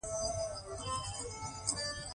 ونې که څه هم، اوس سپیرې ښکارېدې.